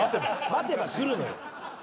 待てば来るのよ。